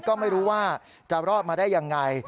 ก็ไม่รู้ว่าจะรอดมาได้ยังไง